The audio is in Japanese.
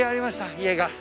家が。